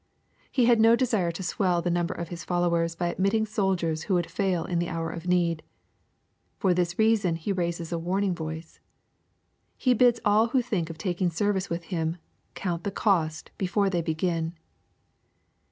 He had no desire to swell the number of His followers by admitting soldiers who would fail in the hour of need. For this reason He raises a warning voice. He bids all who think of taking service with Him count the cost before they begin.